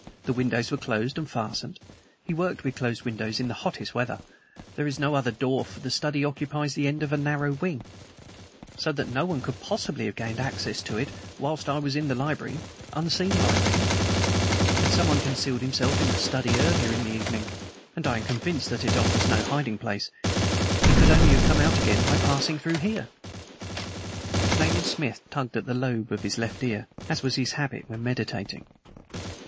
The windows were closed and fastened. He worked with closed windows in the hottest weather. There is no other door, for the study occupies the end of a narrow wing, so that no one could possibly have gained access to it, whilst I was in the library, unseen by me. Had someone concealed himself in the study earlier in the evening and I am convinced that it offers no hiding place he could only have come out again by passing through here." Nayland Smith tugged at the lobe of his left ear, as was his habit when meditating.